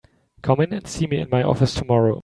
Come in and see me in my office tomorrow.